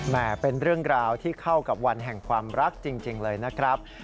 เป็นเรื่องราวที่เข้ากับวันแห่งความรักจริงเลยนะครับ